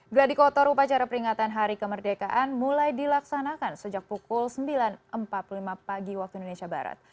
gladi kotor upacara peringatan hari kemerdekaan mulai dilaksanakan sejak pukul sembilan empat puluh lima pagi waktu indonesia barat